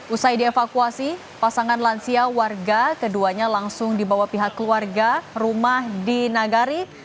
usai dievakuasi pasangan lansia warga keduanya langsung dibawa pihak keluarga rumah di nagari